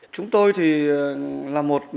chúng tôi thì là một